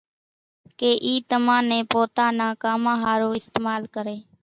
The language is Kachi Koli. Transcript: ڪي اِي تمان نين پوتا نان ڪامان ۿارُو استعمال ڪري۔